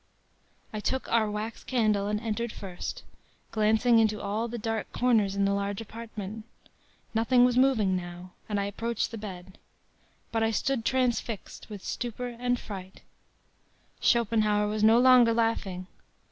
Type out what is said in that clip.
“I took our wax candle and entered first, glancing into all the dark corners in the large apartment. Nothing was moving now, and I approached the bed. But I stood transfixed with stupor and fright: “Schopenhauer was no longer laughing!